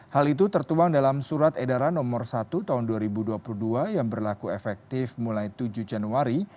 hal itu tertuang dalam surat edaran nomor satu tahun dua ribu dua puluh dua yang berlaku efektif mulai tujuh januari